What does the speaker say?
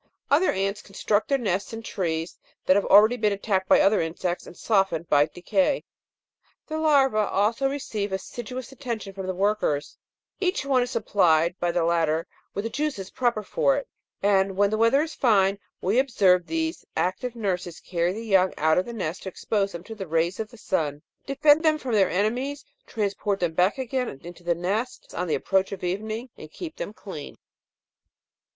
Other ants construct their nests in trees that have been already attacked by other insects and softened by decay. The larva? also receive assiduous attention from the workers ; each one is supplied by the latter with the juices proper for it, and, when the weather is fine, we observe these active nurses carry the young out of the nest to expose them to the rays of the sun, defend them from their enemies, transport them back again to the nest on the approach of evening, and keep them clean.